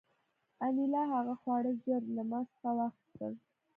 انیلا هغه خواړه ژر له ما څخه واخیستل